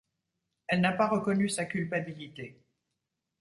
Elle n'a pas reconnu sa culpabilité.